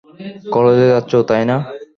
কলেজে যাচ্ছো, তাই না?